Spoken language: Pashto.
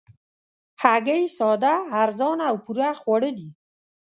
هګۍ ساده، ارزانه او پوره خواړه دي